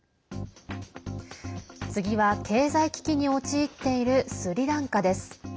次は、経済危機に陥っているスリランカです。